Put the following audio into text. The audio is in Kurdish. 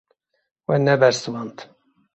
We nebersivand.